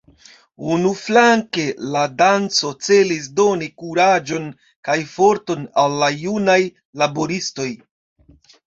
Unuflanke la danco celis doni kuraĝon kaj forton al la junaj laboristoj.